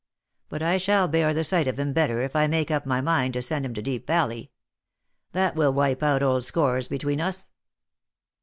But I shall bear the sight of him better if I make up my mind to send him to Deep Valley. That will wipe out old scores between us."